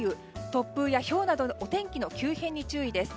突風やひょうなどお天気の急変に注意です。